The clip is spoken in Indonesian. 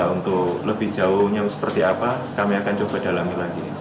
untuk lebih jauhnya seperti apa kami akan coba dalami lagi